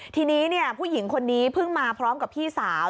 ทีนี้ผู้หญิงคนนี้เพิ่งมาพร้อมกับพี่สาว